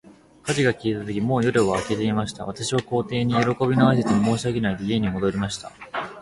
火事が消えたとき、もう夜は明けていました。私は皇帝に、よろこびの挨拶も申し上げないで、家に戻りました。